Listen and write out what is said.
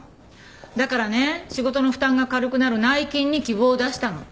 だからね仕事の負担が軽くなる内勤に希望を出したの。